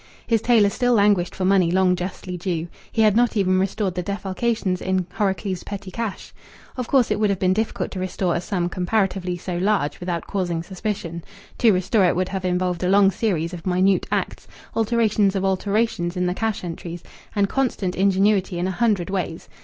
His tailor still languished for money long justly due. He had not even restored the defalcations in Horrocleave's petty cash. Of course it would have been difficult to restore a sum comparatively so large without causing suspicion. To restore it would have involved a long series of minute acts, alterations of alterations in the cash entries, and constant ingenuity in a hundred ways.